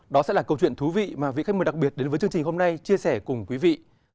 đó sẽ là câu chuyện thú vị mà vị khách mời đặc biệt đến với chương trình hôm nay chia sẻ cùng quý vị